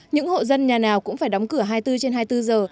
những hộ dân nhà nào cũng phải đóng cửa hai mươi bốn trên hai mươi bốn giờ